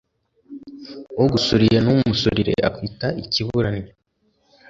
Ugusuriye ntumusurire akwita ikibura nnyo.